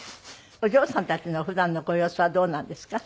お嬢さんたちの普段のご様子はどうなんですか？